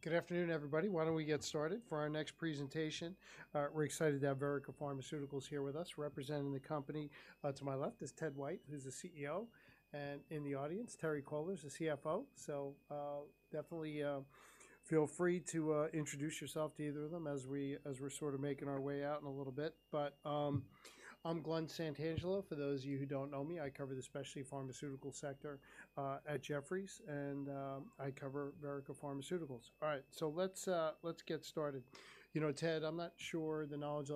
Hey, good afternoon, everybody. Why don't we get started? For our next presentation, we're excited to have Verrica Pharmaceuticals here with us. Representing the company, to my left is Ted White, who's the CEO, and in the audience, Terry Kohler, who's the CFO. So, definitely, feel free to introduce yourself to either of them as we're sort of making our way out in a little bit. But, I'm Glen Santangelo. For those of you who don't know me, I cover the specialty pharmaceutical sector at Jefferies, and I cover Verrica Pharmaceuticals. All right, so let's get started. You know, Ted, I'm not sure the knowledge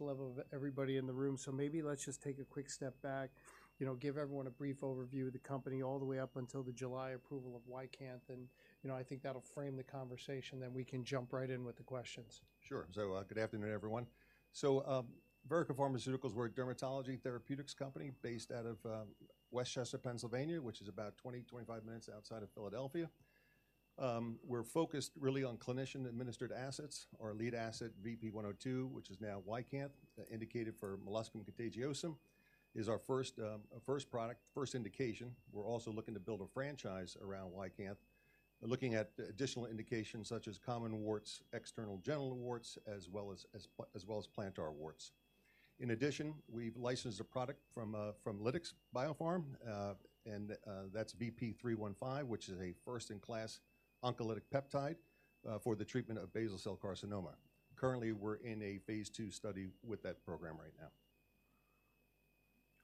level of everybody in the room, so maybe let's just take a quick step back. You know, give everyone a brief overview of the company all the way up until the July approval of YCANTH, and, you know, I think that'll frame the conversation, then we can jump right in with the questions. Sure. So, good afternoon, everyone. So, Verrica Pharmaceuticals, we're a dermatology therapeutics company based out of West Chester, Pennsylvania, which is about 20-25 minutes outside of Philadelphia. We're focused really on clinician-administered assets. Our lead asset, VP102, which is now YCANTH, indicated for molluscum contagiosum, is our first product, first indication. We're also looking to build a franchise around YCANTH. We're looking at additional indications such as common warts, external genital warts, as well as plantar warts. In addition, we've licensed a product from Lytix Biopharma, and that's VP315, which is a first-in-class oncolytic peptide for the treatment of basal cell carcinoma. Currently, we're in a phase II study with that program right now.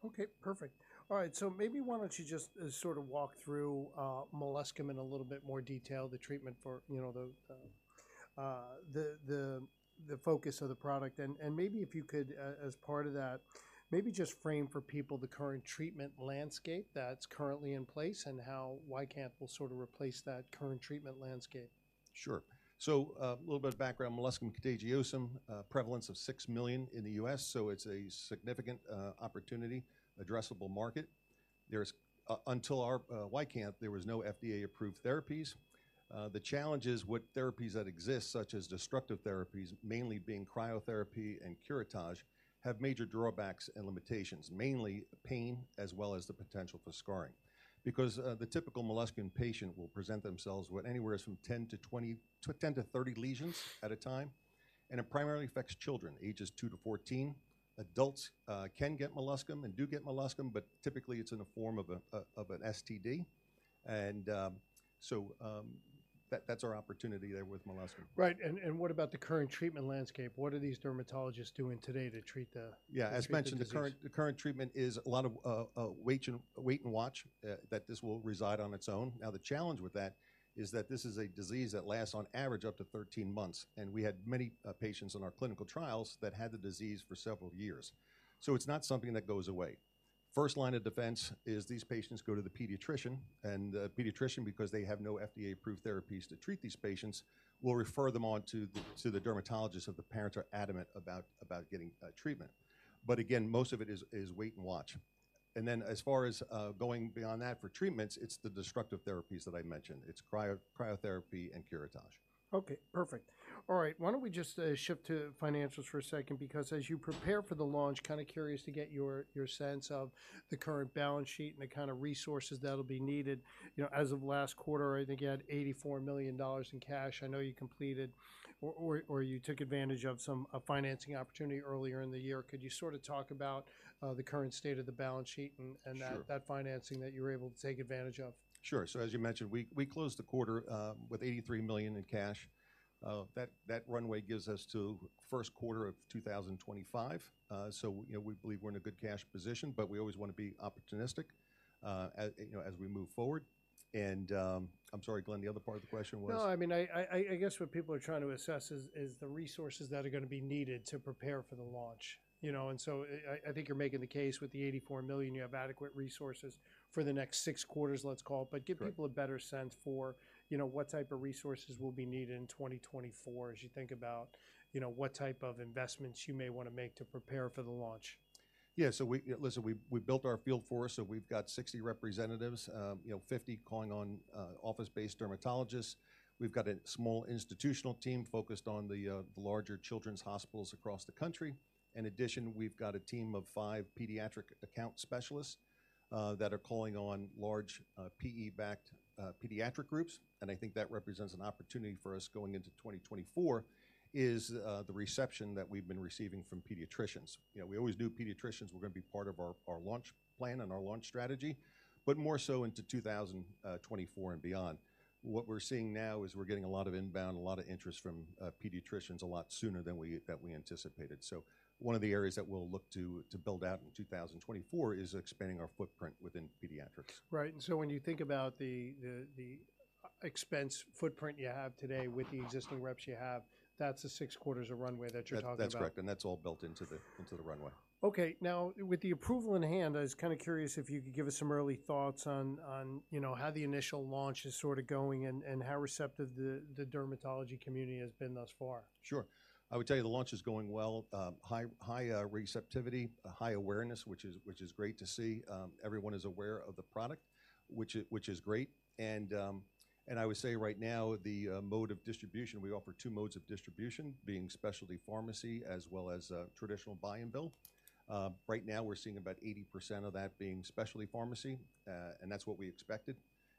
Okay, perfect. All right, so maybe why don't you just sort of walk through molluscum in a little bit more detail, the treatment for, you know, the focus of the product. And maybe if you could, as part of that, maybe just frame for people the current treatment landscape that's currently in place and how YCANTH will sort of replace that current treatment landscape. Sure. So, a little bit of background. Molluscum contagiosum, prevalence of 6 million in the U.S., so it's a significant opportunity, addressable market. Until our YCANTH, there was no FDA-approved therapies. The challenge is what therapies that exist, such as destructive therapies, mainly being cryotherapy and curettage, have major drawbacks and limitations, mainly pain, as well as the potential for scarring. Because the typical molluscum patient will present themselves with anywhere from 10-20... 10-30 lesions at a time, and it primarily affects children, ages 2-14. Adults can get molluscum and do get molluscum, but typically it's in the form of an STD. So, that's our opportunity there with molluscum. Right, and, and what about the current treatment landscape? What are these dermatologists doing today to treat the- Yeah, as mentioned- - disease... the current treatment is a lot of wait and watch that this will resolve on its own. Now, the challenge with that is that this is a disease that lasts on average up to 13 months, and we had many patients in our clinical trials that had the disease for several years. So it's not something that goes away. First line of defense is these patients go to the pediatrician, and the pediatrician, because they have no FDA-approved therapies to treat these patients, will refer them on to the dermatologist if the parents are adamant about getting treatment. But again, most of it is wait and watch. And then, as far as going beyond that, for treatments, it's the destructive therapies that I mentioned. It's cryotherapy and curettage. Okay, perfect. All right, why don't we just shift to financials for a second? Because as you prepare for the launch, kind of curious to get your sense of the current balance sheet and the kind of resources that'll be needed. You know, as of last quarter, I think you had $84 million in cash. I know you completed or you took advantage of some financing opportunity earlier in the year. Could you sort of talk about the current state of the balance sheet and that- Sure... that financing that you were able to take advantage of? Sure. So, as you mentioned, we closed the quarter with $83 million in cash. That runway gives us to first quarter of 2025. So, you know, we believe we're in a good cash position, but we always want to be opportunistic, as you know, as we move forward. I'm sorry, Glen, the other part of the question was? No, I mean, I guess what people are trying to assess is the resources that are gonna be needed to prepare for the launch. You know, and so I think you're making the case with the $84 million, you have adequate resources for the next six quarters, let's call it. Right. Give people a better sense for, you know, what type of resources will be needed in 2024 as you think about, you know, what type of investments you may want to make to prepare for the launch. Yeah, so listen, we built our field force, so we've got 60 representatives, you know, 50 calling on office-based dermatologists. We've got a small institutional team focused on the larger children's hospitals across the country. In addition, we've got a team of five pediatric account specialists that are calling on large PE-backed pediatric groups, and I think that represents an opportunity for us going into 2024 is the reception that we've been receiving from pediatricians. You know, we always knew pediatricians were gonna be part of our launch plan and our launch strategy, but more so into 2024 and beyond. What we're seeing now is we're getting a lot of inbound, a lot of interest from pediatricians a lot sooner than we anticipated. One of the areas that we'll look to, to build out in 2024 is expanding our footprint within pediatrics. Right. And so when you think about the expense footprint you have today with the existing reps you have, that's the six quarters of runway that you're talking about? That's correct, and that's all built into the runway. Okay. Now, with the approval in hand, I was kind of curious if you could give us some early thoughts on, you know, how the initial launch is sort of going and how receptive the dermatology community has been thus far? Sure. I would tell you the launch is going well. High receptivity, high awareness, which is great to see. Everyone is aware of the product, which is great. And I would say right now, the mode of distribution, we offer two modes of distribution, being specialty pharmacy as well as traditional buy and bill. Right now, we're seeing about 80% of that being specialty pharmacy, and that's what we expected,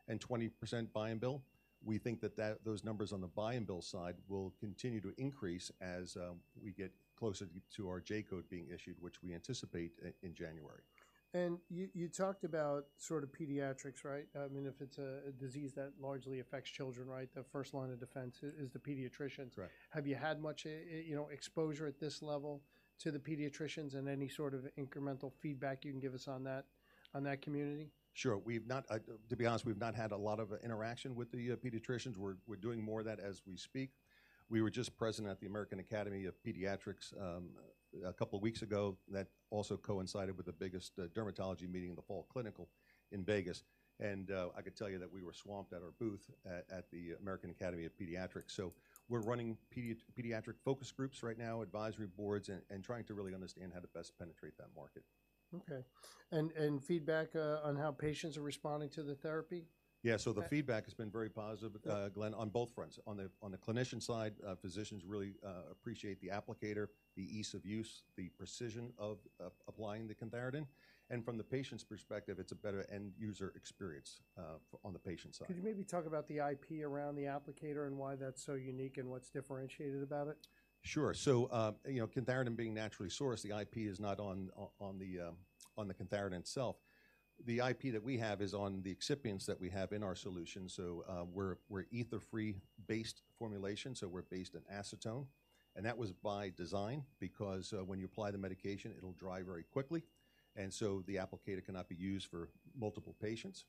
and 20% buy and bill. We think that those numbers on the buy and bill side will continue to increase as we get closer to our J-code being issued, which we anticipate in January. You talked about sort of pediatrics, right? I mean, if it's a disease that largely affects children, right? The first line of defense is the pediatrician. Correct. Have you had much, you know, exposure at this level to the pediatricians and any sort of incremental feedback you can give us on that, on that community? Sure. We've not— To be honest, we've not had a lot of interaction with the pediatricians. We're doing more of that as we speak. We were just present at the American Academy of Pediatrics a couple of weeks ago. That also coincided with the biggest dermatology meeting in the fall, Clinical, in Vegas, and I could tell you that we were swamped at our booth at the American Academy of Pediatrics. So we're running pediatric focus groups right now, advisory boards, and trying to really understand how to best penetrate that market. Okay. And feedback on how patients are responding to the therapy? Yeah, so the feedback has been very positive, Glen, on both fronts. On the clinician side, physicians really appreciate the applicator, the ease of use, the precision of applying the cantharidin. And from the patient's perspective, it's a better end user experience on the patient side. Could you maybe talk about the IP around the applicator and why that's so unique and what's differentiated about it? Sure. So, you know, cantharidin being naturally sourced, the IP is not on the cantharidin itself. The IP that we have is on the excipients that we have in our solution, so we're ether-free based formulation, so we're based in acetone, and that was by design, because when you apply the medication, it'll dry very quickly, and so the applicator cannot be used for multiple patients.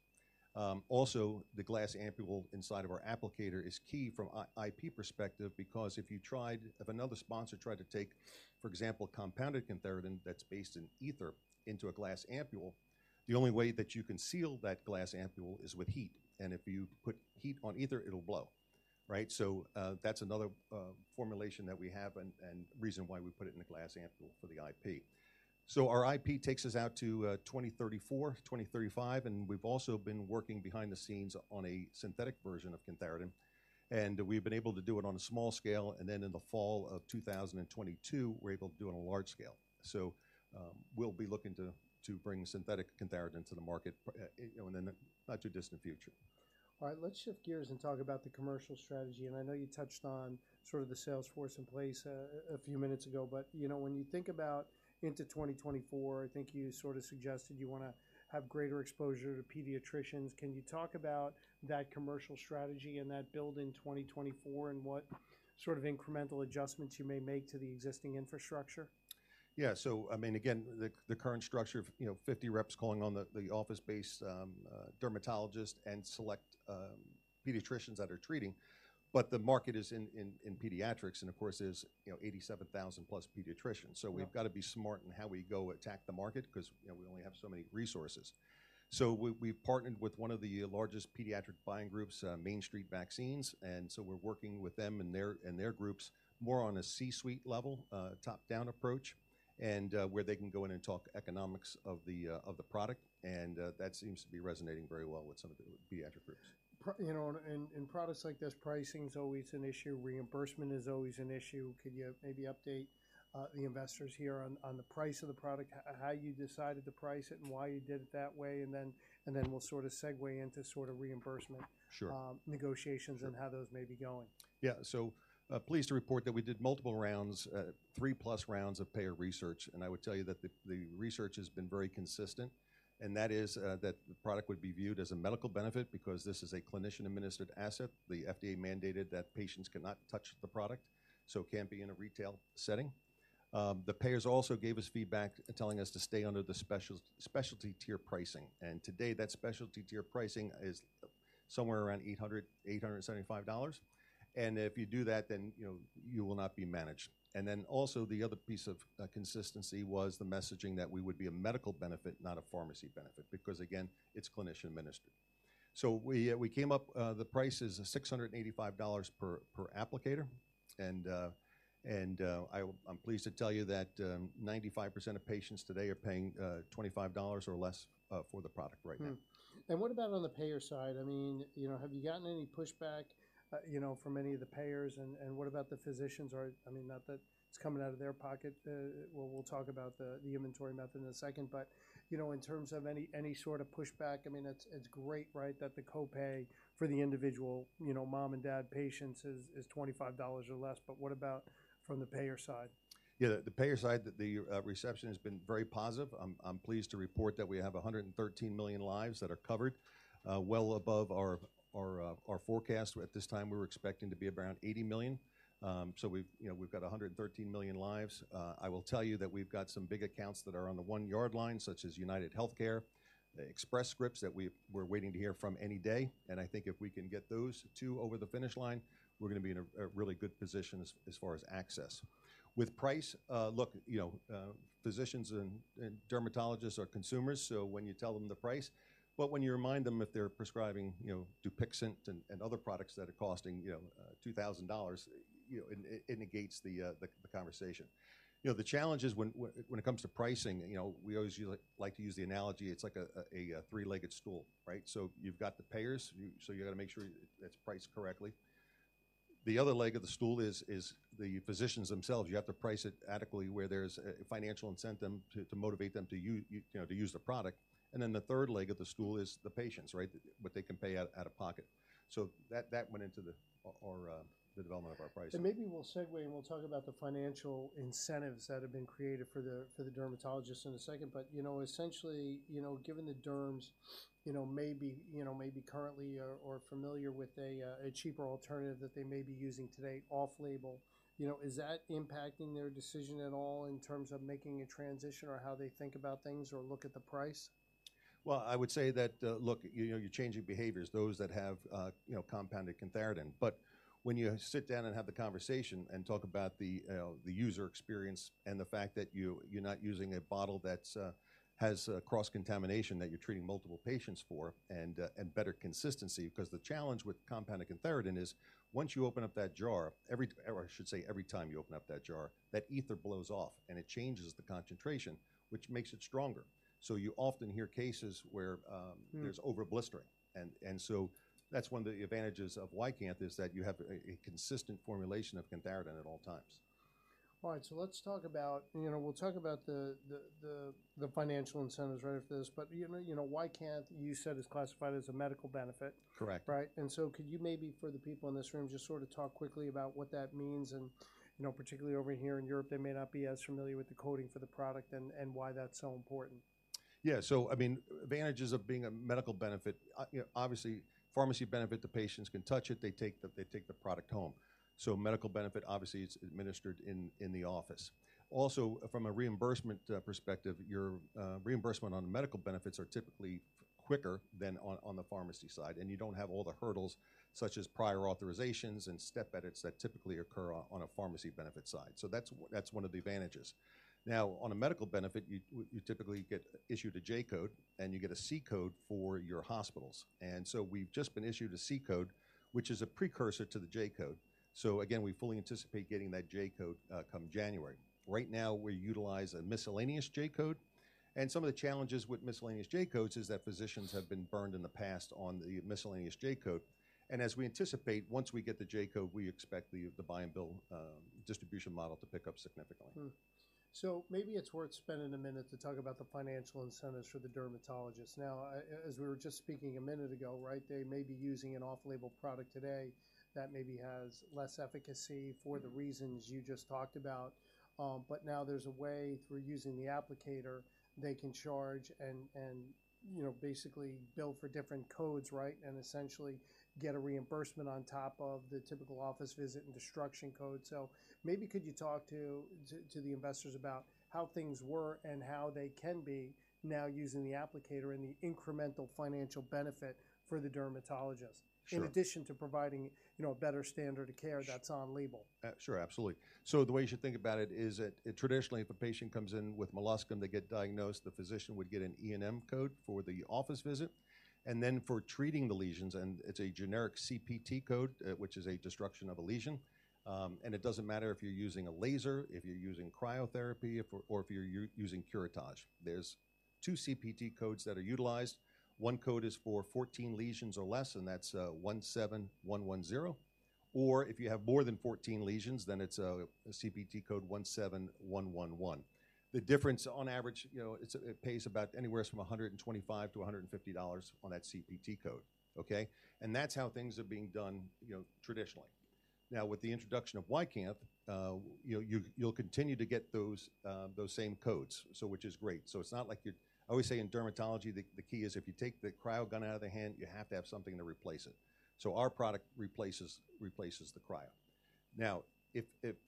Also, the glass ampoule inside of our applicator is key from IP perspective, because if another sponsor tried to take, for example, compounded cantharidin that's based in ether into a glass ampoule, the only way that you can seal that glass ampoule is with heat, and if you put heat on ether, it'll blow, right? So, that's another formulation that we have and reason why we put it in a glass ampoule for the IP. So our IP takes us out to 2034, 2035, and we've also been working behind the scenes on a synthetic version of cantharidin, and we've been able to do it on a small scale, and then in the fall of 2022, we're able to do it on a large scale. So, we'll be looking to bring synthetic cantharidin to the market, you know, in the not too distant future. All right, let's shift gears and talk about the commercial strategy, and I know you touched on sort of the sales force in place, a few minutes ago. But, you know, when you think about into 2024, I think you sort of suggested you wanna have greater exposure to pediatricians. Can you talk about that commercial strategy and that build in 2024, and what sort of incremental adjustments you may make to the existing infrastructure? Yeah. So I mean, again, the current structure, you know, 50 reps calling on the office-based dermatologist and select pediatricians that are treating, but the market is in pediatrics, and of course, there's, you know, 87,000+ pediatricians. Yeah. So we've got to be smart in how we go attack the market because, you know, we only have so many resources. So we, we've partnered with one of the largest pediatric buying groups, Main Street Vaccines, and so we're working with them and their, and their groups more on a C-suite level, top-down approach, and, where they can go in and talk economics of the, of the product, and, that seems to be resonating very well with some of the pediatric groups. You know, and, and products like this, pricing is always an issue, reimbursement is always an issue. Could you maybe update the investors here on, on the price of the product, how you decided to price it, and why you did it that way? And then, and then we'll sort of segue into sort of reimbursement- Sure... negotiations- Sure - and how those may be going. Yeah. So, pleased to report that we did multiple rounds, three plus rounds of payer research, and I would tell you that the research has been very consistent, and that is, that the product would be viewed as a medical benefit because this is a clinician-administered asset. The FDA mandated that patients cannot touch the product, so it can't be in a retail setting. The payers also gave us feedback, telling us to stay under the specialty tier pricing, and today, that specialty tier pricing is somewhere around $875, and if you do that, then, you know, you will not be managed. And then also, the other piece of consistency was the messaging that we would be a medical benefit, not a pharmacy benefit, because, again, it's clinician-administered. So we came up... The price is $685 per applicator, and I'm pleased to tell you that 95% of patients today are paying $25 or less for the product right now. What about on the payer side? I mean, you know, have you gotten any pushback, you know, from any of the payers, and what about the physicians or, I mean, not that it's coming out of their pocket? We'll talk about the inventory method in a second, but, you know, in terms of any sort of pushback, I mean, it's great, right, that the copay for the individual, you know, mom and dad patients is $25 or less, but what about from the payer side? Yeah, the payer side, the reception has been very positive. I'm pleased to report that we have 113 million lives that are covered, well above our forecast. At this time, we were expecting to be around 80 million. So we've, you know, we've got 113 million lives. I will tell you that we've got some big accounts that are on the one-yard line, such as UnitedHealthcare, Express Scripts, that we're waiting to hear from any day, and I think if we can get those two over the finish line, we're gonna be in a really good position as far as access. With price, look, you know, physicians and dermatologists are consumers, so when you tell them the price, but when you remind them, if they're prescribing, you know, Dupixent and other products that are costing, you know, $2,000, you know, it negates the conversation. You know, the challenge is when, when it comes to pricing, you know, we always like to use the analogy, it's like a three-legged stool, right? So you've got the payers, so you got to make sure it's priced correctly.... The other leg of the stool is the physicians themselves. You have to price it adequately where there's a financial incentive to motivate them to, you know, to use the product. And then the third leg of the stool is the patients, right? What they can pay out of pocket. So that went into the development of our pricing. Maybe we'll segue, and we'll talk about the financial incentives that have been created for the, for the dermatologists in a second. But, you know, essentially, you know, given the derms, you know, may be, you know, may be currently or, or familiar with a, a cheaper alternative that they may be using today off-label. You know, is that impacting their decision at all in terms of making a transition or how they think about things or look at the price? Well, I would say that, look, you know, you're changing behaviors, those that have, you know, compounded cantharidin. But when you sit down and have the conversation and talk about the, the user experience and the fact that you- you're not using a bottle that's, has a cross-contamination that you're treating multiple patients for and, and better consistency. Because the challenge with compounded cantharidin is once you open up that jar, every, or I should say, every time you open up that jar, that ether blows off, and it changes the concentration, which makes it stronger. So you often hear cases where, Mm. There's over blistering. And so that's one of the advantages of YCANTH is that you have a consistent formulation of cantharidin at all times. All right, so let's talk about... You know, we'll talk about the financial incentives right after this. But, you know, you know, YCANTH, you said, is classified as a medical benefit. Correct. Right? So could you maybe, for the people in this room, just sort of talk quickly about what that means and, you know, particularly over here in Europe, they may not be as familiar with the coding for the product, and why that's so important. Yeah. So I mean, advantages of being a medical benefit, you know, obviously, pharmacy benefit, the patients can touch it. They take the, they take the product home. So medical benefit, obviously, it's administered in the office. Also, from a reimbursement perspective, your reimbursement on medical benefits are typically quicker than on the pharmacy side, and you don't have all the hurdles such as prior authorizations and step edits that typically occur on a pharmacy benefit side. So that's one of the advantages. Now, on a medical benefit, you typically get issued a J-code, and you get a C-code for your hospitals. And so we've just been issued a C-code, which is a precursor to the J-code. So again, we fully anticipate getting that J-code come January. Right now, we utilize a miscellaneous J-code, and some of the challenges with miscellaneous J-codes is that physicians have been burned in the past on the miscellaneous J-code. As we anticipate, once we get the J-code, we expect the buy-and-bill distribution model to pick up significantly. So maybe it's worth spending a minute to talk about the financial incentives for the dermatologists. Now, as we were just speaking a minute ago, right? They may be using an off-label product today that maybe has less efficacy for the reasons you just talked about, but now there's a way, through using the applicator, they can charge and, you know, basically bill for different codes, right? And essentially get a reimbursement on top of the typical office visit and destruction code. So maybe could you talk to the investors about how things were and how they can be now using the applicator and the incremental financial benefit for the dermatologist- Sure... in addition to providing, you know, a better standard of care that's on-label? Sure, absolutely. So the way you should think about it is that traditionally, if a patient comes in with molluscum, they get diagnosed, the physician would get an E&M code for the office visit, and then for treating the lesions, and it's a generic CPT code, which is a destruction of a lesion. And it doesn't matter if you're using a laser, if you're using cryotherapy, or if you're using curettage. There's two CPT codes that are utilized. One code is for 14 lesions or less, and that's 17110, or if you have more than 14 lesions, then it's a CPT code 17111. The difference on average, you know, it's, it pays about anywhere from $125-$150 on that CPT code. Okay? And that's how things are being done, you know, traditionally. Now, with the introduction of YCANTH, you'll continue to get those same codes, so which is great. So it's not like you're. I always say in dermatology, the key is if you take the cryo gun out of their hand, you have to have something to replace it. So our product replaces the cryo. Now,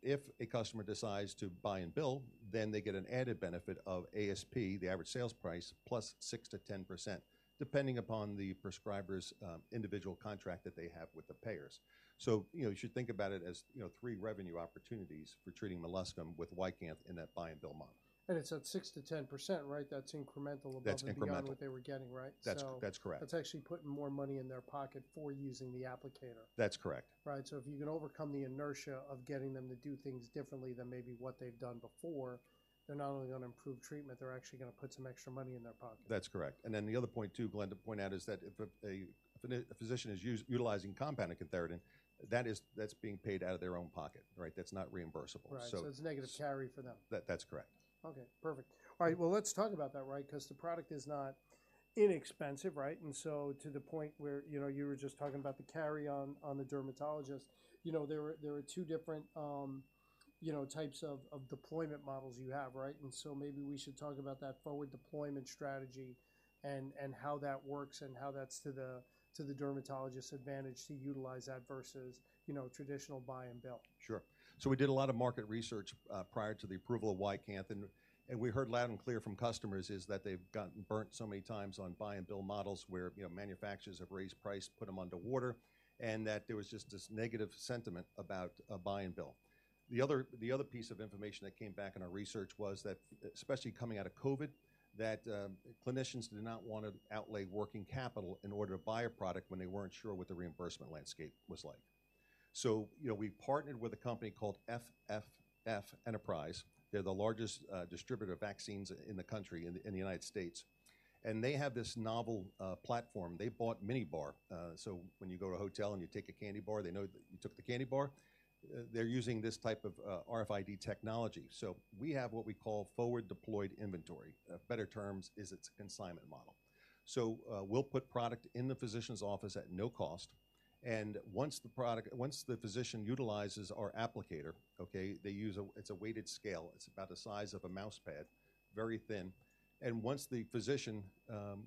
if a customer decides to buy and bill, then they get an added benefit of ASP, the average sales price, plus 6%-10%, depending upon the prescriber's individual contract that they have with the payers. So, you know, you should think about it as, you know, three revenue opportunities for treating molluscum with YCANTH in that buy-and-bill model. It's at 6%-10%, right? That's incremental above- That's incremental... and beyond what they were getting, right? That's correct. That's actually putting more money in their pocket for using the applicator. That's correct. Right. So if you can overcome the inertia of getting them to do things differently than maybe what they've done before, they're not only gonna improve treatment, they're actually gonna put some extra money in their pocket. That's correct. And then the other point, too, Glen, to point out, is that if a physician is utilizing compounded cantharidin, that's being paid out of their own pocket, right? That's not reimbursable. Right. So- It's a negative carry for them. That, that's correct. Okay, perfect. All right, well, let's talk about that, right? Because the product is not inexpensive, right? And so to the point where, you know, you were just talking about the carry on, on the dermatologist. You know, there are two different, you know, types of deployment models you have, right? And so maybe we should talk about that forward deployment strategy and how that works and how that's to the dermatologist's advantage to utilize that versus, you know, traditional buy and bill. Sure. So we did a lot of market research prior to the approval of YCANTH, and we heard loud and clear from customers, is that they've gotten burnt so many times on buy-and-bill models where, you know, manufacturers have raised price, put them under water, and that there was just this negative sentiment about a buy and bill. The other piece of information that came back in our research was that, especially coming out of COVID, clinicians did not want to outlay working capital in order to buy a product when they weren't sure what the reimbursement landscape was like... so, you know, we've partnered with a company called FFF Enterprises. They're the largest distributor of vaccines in the country, in the United States, and they have this novel platform. They bought MinibarRx. So when you go to a hotel and you take a candy bar, they know that you took the candy bar. They're using this type of RFID technology. So we have what we call forward deployed inventory. Better term is it's consignment model. So we'll put product in the physician's office at no cost, and once the physician utilizes our applicator, okay, they use a weighted scale. It's about the size of a mouse pad, very thin, and once the physician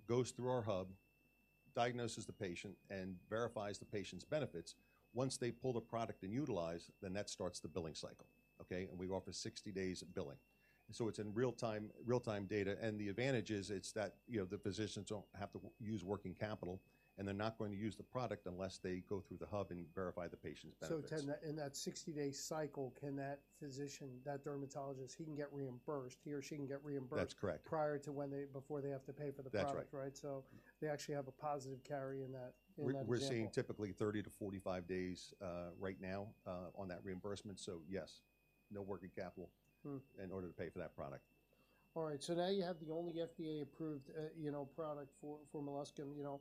goes through our hub, diagnoses the patient, and verifies the patient's benefits, once they pull the product and utilize, then that starts the billing cycle, okay? And we offer 60 days of billing. So it's in real time, real time data, and the advantage is, it's that, you know, the physicians don't have to use working capital, and they're not going to use the product unless they go through the hub and verify the patient's benefits. So Ted, in that, in that 60-day cycle, can that physician, that dermatologist, he can get reimbursed, he or she can get reimbursed? That's correct. Before they have to pay for the product? That's right. Right. So they actually have a positive carry in that, in that example. We're seeing typically 30-45 days, right now, on that reimbursement, so yes, no working capital- Hmm. in order to pay for that product. All right, so now you have the only FDA-approved, you know, product for molluscum. You know,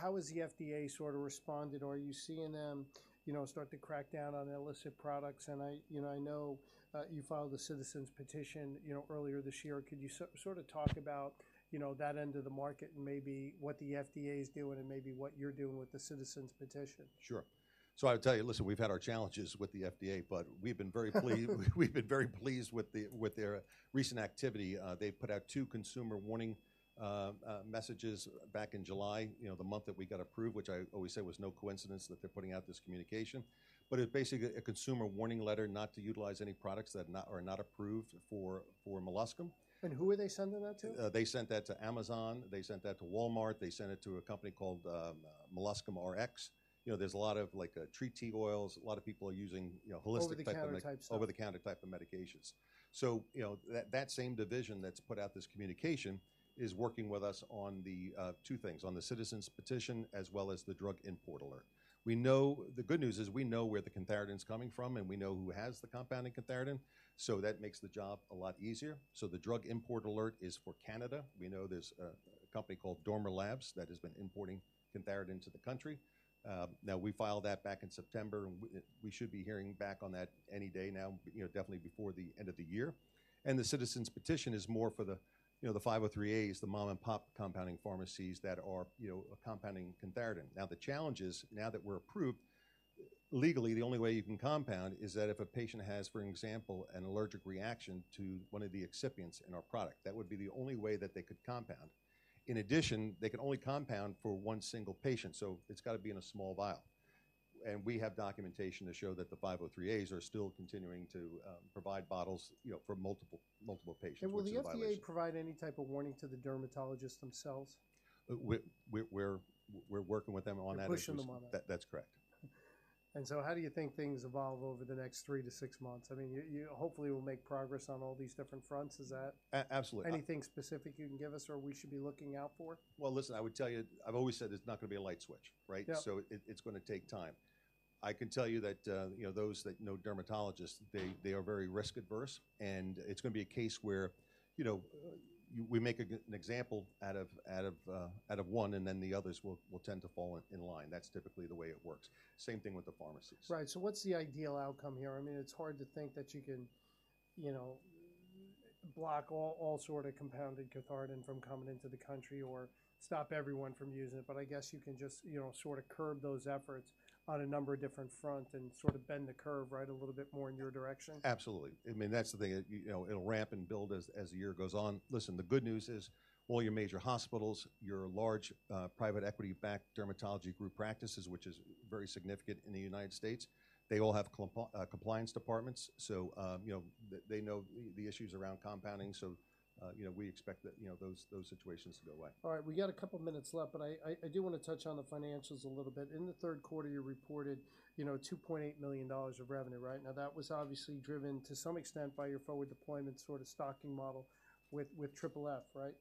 how has the FDA sort of responded, or are you seeing them, you know, start to crack down on illicit products? And I, you know, I know, you filed a citizen petition, you know, earlier this year. Could you sort of talk about, you know, that end of the market and maybe what the FDA is doing and maybe what you're doing with the citizen petition? Sure. So I would tell you, listen, we've had our challenges with the FDA, but we've been very pleased with their recent activity. They put out two consumer warning messages back in July, you know, the month that we got approved, which I always say was no coincidence that they're putting out this communication. But it's basically a consumer warning letter not to utilize any products that are not approved for molluscum. Who are they sending that to? They sent that to Amazon, they sent that to Walmart, they sent it to a company called MolluscumRx. You know, there's a lot of, like, tea, tea oils. A lot of people are using, you know, holistic type of- Over-the-counter type stuff. over-the-counter type of medications. So, you know, that same division that's put out this communication is working with us on the two things: on the citizens petition as well as the drug import alert. We know. The good news is we know where the cantharidin is coming from, and we know who has the compounded cantharidin, so that makes the job a lot easier. So the drug import alert is for Canada. We know there's a company called Dormer Labs that has been importing cantharidin into the country. Now we filed that back in September, and we should be hearing back on that any day now, but you know, definitely before the end of the year. And the citizens petition is more for the you know, the 503As, the mom-and-pop compounding pharmacies that are you know, compounding cantharidin. Now, the challenge is, now that we're approved, legally, the only way you can compound is that if a patient has, for example, an allergic reaction to one of the excipients in our product. That would be the only way that they could compound. In addition, they can only compound for one single patient, so it's got to be in a small vial. And we have documentation to show that the 503As are still continuing to provide bottles, you know, for multiple, multiple patients with some violations. Will the FDA provide any type of warning to the dermatologists themselves? We're working with them on that issue. You're pushing them on that. That, that's correct. And so how do you think things evolve over the next three to six months? I mean, you, you hopefully will make progress on all these different fronts. Is that- A- absolutely. Anything specific you can give us or we should be looking out for? Well, listen, I would tell you, I've always said it's not going to be a light switch, right? Yep. So it's going to take time. I can tell you that, you know, those that know dermatologists, they are very risk-averse, and it's going to be a case where, you know, we make a good example out of one, and then the others will tend to fall in line. That's typically the way it works. Same thing with the pharmacies. Right. So what's the ideal outcome here? I mean, it's hard to think that you can, you know, block all sort of compounded cantharidin from coming into the country or stop everyone from using it, but I guess you can just, you know, sort of curb those efforts on a number of different front and sort of bend the curve, right? A little bit more in your direction. Absolutely. I mean, that's the thing that, you know, it'll ramp and build as, as the year goes on. Listen, the good news is all your major hospitals, your large private equity-backed dermatology group practices, which is very significant in the United States, they all have compliance departments, so, you know, they, they know the, the issues around compounding. So, you know, we expect that, you know, those, those situations to go away. All right, we got a couple of minutes left, but I do want to touch on the financials a little bit. In the third quarter, you reported, you know, $2.8 million of revenue, right? Now, that was obviously driven to some extent by your forward deployment sort of stocking model with FFF, right?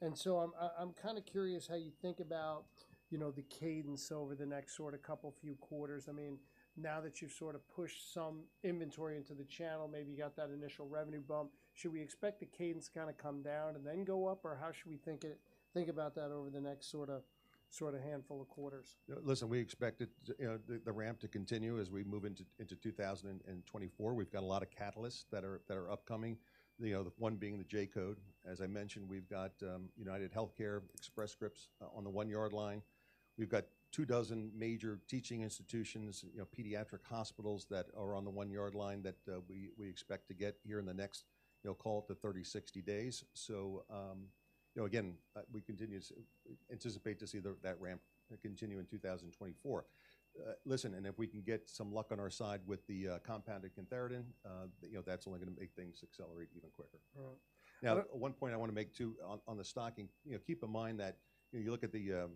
And so I'm kind of curious how you think about, you know, the cadence over the next sort of couple few quarters. I mean, now that you've sort of pushed some inventory into the channel, maybe you got that initial revenue bump, should we expect the cadence kind of come down and then go up, or how should we think about that over the next sort of handful of quarters? Listen, we expect it, the ramp to continue as we move into 2024. We've got a lot of catalysts that are upcoming, you know, one being the J-code. As I mentioned, we've got UnitedHealthcare, Express Scripts on the one-yard line. We've got two dozen major teaching institutions, you know, pediatric hospitals that are on the one-yard line that we expect to get here in the next, you know, call it the 30, 60 days. So, you know, again, we continue to anticipate to see that ramp continue in 2024. Listen, and if we can get some luck on our side with the compounded cantharidin, you know, that's only going to make things accelerate even quicker. Hmm. Now, one point I want to make, too, on the stocking. You know, keep in mind that, you know, you look at the,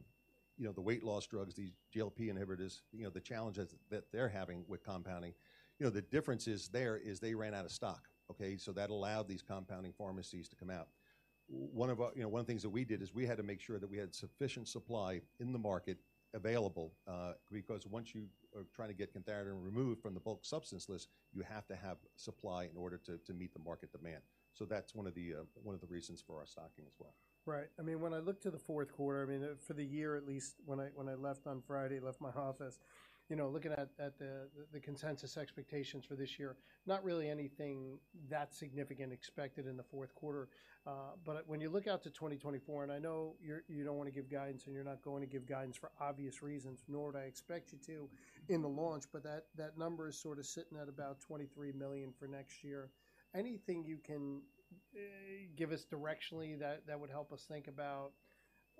you know, the weight loss drugs, these GLP inhibitors, you know, the challenges that they're having with compounding, you know, the difference is there is they ran out of stock, okay? So that allowed these compounding pharmacies to come out. One of, you know, one of the things that we did is we had to make sure that we had sufficient supply in the market available, because once you are trying to get Cantharidin removed from the bulk substance list, you have to have supply in order to meet the market demand. So that's one of the, one of the reasons for our stocking as well. Right. I mean, when I look to the fourth quarter, I mean, for the year at least, when I left on Friday, left my office, you know, looking at the consensus expectations for this year, not really anything that significant expected in the fourth quarter. But when you look out to 2024, and I know you don't wanna give guidance, and you're not going to give guidance for obvious reasons, nor would I expect you to in the launch, but that number is sort of sitting at about $23 million for next year. Anything you can give us directionally that would help us think about,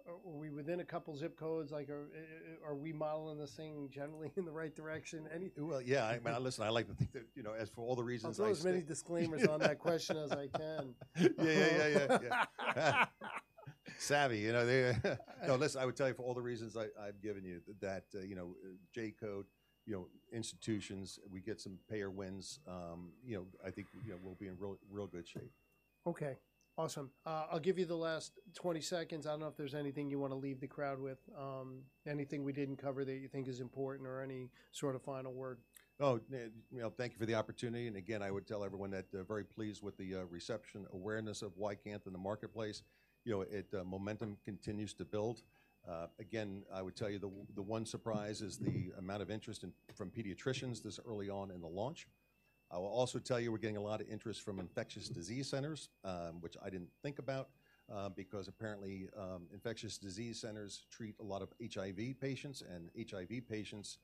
are we within a couple zip codes? Like, are we modeling this thing generally in the right direction? Anything- Well, yeah. I mean, listen, I like to think that, you know, as for all the reasons I- I'll throw as many disclaimers on that question as I can. Yeah, yeah, yeah, yeah, yeah. Savvy, you know, they... No, listen. I would tell you, for all the reasons I've given you, that, that, you know, J-code, you know, institutions, we get some payer wins, you know, I think, you know, we'll be in real, real good shape. Okay, awesome. I'll give you the last 20 seconds. I don't know if there's anything you want to leave the crowd with, anything we didn't cover that you think is important or any sort of final word? Oh, well, thank you for the opportunity, and again, I would tell everyone that they're very pleased with the reception awareness of YCANTH in the marketplace. You know, it momentum continues to build. Again, I would tell you the one surprise is the amount of interest from pediatricians this early on in the launch. I will also tell you, we're getting a lot of interest from infectious disease centers, which I didn't think about, because apparently, infectious disease centers treat a lot of HIV patients, and HIV patients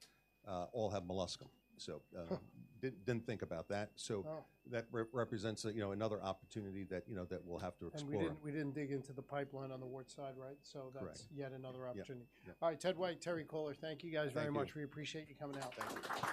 all have molluscum. So, Huh!... Didn't think about that. Wow. So that represents, you know, another opportunity that, you know, that we'll have to explore. We didn't dig into the pipeline on the wart side, right? Correct. That's yet another opportunity. Yeah. Yeah. All right, Ted White, Terry Kohler, thank you guys very much. Thank you. We appreciate you coming out.